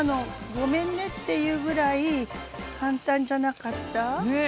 ごめんねっていうぐらい簡単じゃなかった？ね。